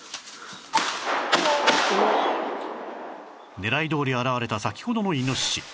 狙いどおり現れた先ほどのイノシシ